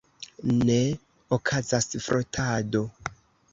Ne okazas frotado!